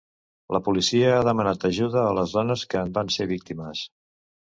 La policia ha demanat ajut a les dones que en van ser víctimes.